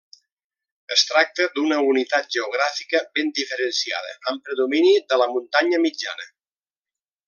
Es tracta d'una unitat geogràfica ben diferenciada, amb predomini de la muntanya mitjana.